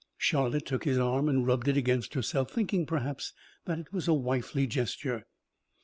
Charlotte took his arm and rubbed it against herself, thinking, perhaps, that it was a wifely gesture.